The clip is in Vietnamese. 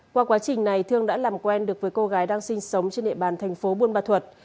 qua quá trình này thương đã làm quen được với cô gái đang sinh sống trên địa bàn thành phố buôn ma thuật